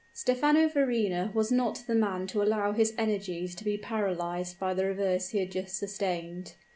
Stephano Verrina was not the man to allow his energies to be paralyzed by the reverse he had just sustained.